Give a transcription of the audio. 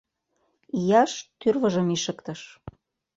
Ийаш тӱрвыжым ишыктыш.